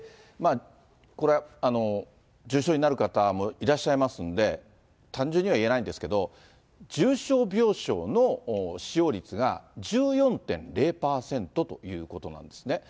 これ、重症になる方もいらっしゃいますので、単純にはいえないんですけど、重症病床の使用率が１４．０％ということなんですね。